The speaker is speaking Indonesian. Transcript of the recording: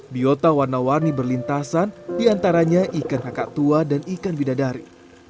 biota warna warni berlintasan diantaranya ikan kakak tua dan ikan bidadari